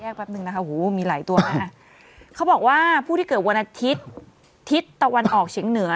เขาบอกว่าผู้ที่เกิดวันอาทิตย์ทิศตะวันออกเฉียงเหนือ